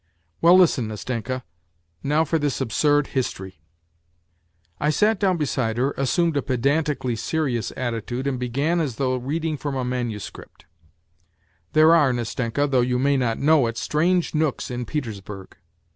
"" Well, listen, Nastenka, now for this absurd history." I sat down beside her, assumed a pedantically serious atti tude, and began as though reading from a manuscript :" There are, Nastenka, though you may not know it, strange nooks in Petersburg.